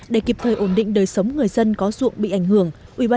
để kịp thời ổn định đời sống người dân có ruộng bị ảnh hưởng